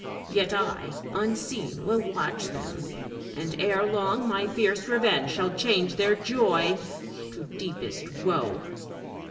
Yet I, unseen, will watch them, and ere long my fierce revenge shall change their joy to deepest woe.